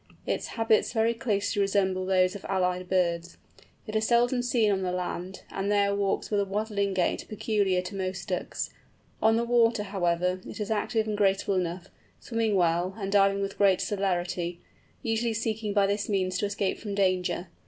Its habits very closely resemble those of allied birds. It is seldom seen on the land, and there walks with the waddling gait peculiar to most Ducks; on the water, however, it is active and graceful enough, swimming well, and diving with great celerity, usually seeking by this means to escape from danger.